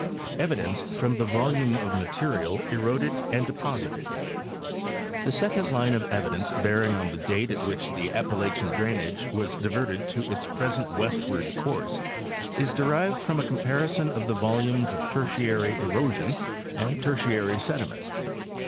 | Kvidence from the Volume of Material eroded and deposited—The second line of evidence bearing on the date at which the Appa lachian drainage was diverted to its present westward course is derived from a comparison of the volumes of Tertiary erosion and Tertiary sediments.